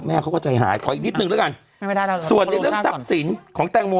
แม่เขาก็ใจหายขออีกนิดหนึ่งแล้วกันไม่ได้แล้วส่วนนี้เรื่องทรัพย์สินของแตงโม